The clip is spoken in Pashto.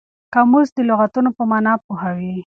قاموس د لغتونو په مانا پوهوي.